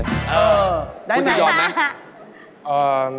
เออได้ไหมครับคุณยอมไหม